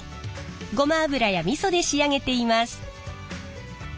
ごま油やみそで仕上げています。